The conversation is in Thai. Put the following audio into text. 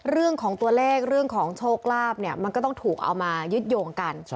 เรื่องของตัวเลขเรื่องของโชคลาภเนี่ยมันก็ต้องถูกเอามายึดโยงกัน